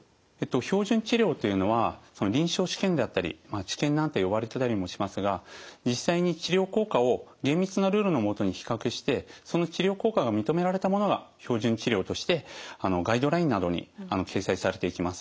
標準治療というのは臨床試験であったり「治験」なんて呼ばれてたりもしますが実際に治療効果を厳密なルールの下に比較してその治療効果が認められたものが標準治療としてガイドラインなどに掲載されていきます。